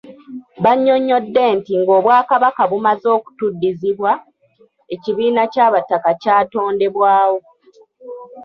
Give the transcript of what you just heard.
Banyonyodde nti ng'Obwakabaka bumaze okutuddizibwa, ekibiina ky'abataka kyatondebwawo.